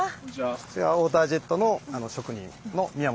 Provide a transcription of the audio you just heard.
ウォータージェットの職人の宮本です。